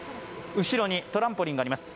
後ろにトランポリンがあります。